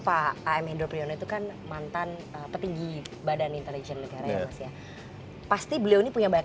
pak amin doprion itu kan mantan petinggi badan intelligent negara ya pasti beliau punya banyak